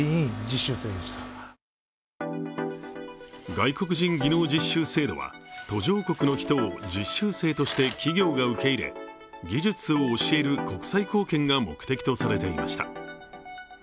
外国人技能実習制度は途上国の人を実習生として企業が受け入れ技術を教える国際貢献が目的とされていました。